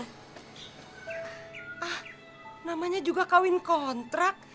ah namanya juga kawin kontrak